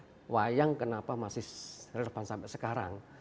itulah wayang kenapa masih dari depan sampai sekarang